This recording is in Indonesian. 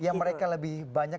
yang mereka lebih banyak